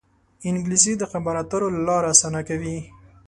انګلیسي د خبرو اترو لاره اسانه کوي